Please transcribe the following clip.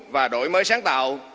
và đổi mới sáng tạo